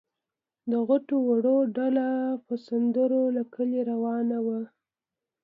د غټو وړو ډله په سندرو له کلي روانه وه.